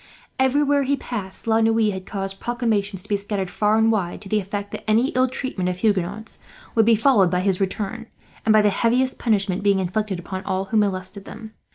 Everywhere he passed La Noue had caused proclamations to be scattered far and wide, to the effect that any ill treatment of Huguenots would be followed by his return, and by the heaviest punishment being inflicted upon all who molested them.